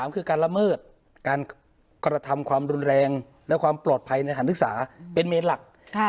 คือการละเมิดการกระทำความรุนแรงและความปลอดภัยในฐานศึกษาเป็นเมนหลัก